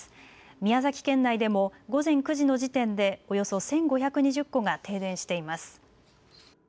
宮崎県内でも午前９時の時点でおよそ１５２０戸が停電しています。